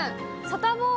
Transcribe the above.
サタボー、